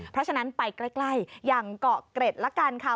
เพราะฉะนั้นไปใกล้อย่างเกาะเกร็ดละกันค่ะ